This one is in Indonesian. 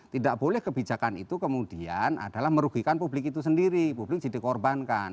tidak boleh kebijakan itu kemudian adalah merugikan publik itu sendiri publik jadi korbankan